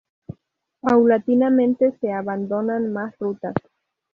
Paulatinamente se abandonan más rutas.